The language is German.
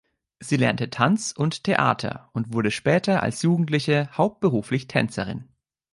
Sie lernte Tanz und Theater und wurde später als Jugendliche hauptberuflich Tänzerin.